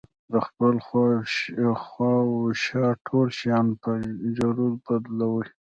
د خپل خواوشا ټول شيان په چرو بدلوي.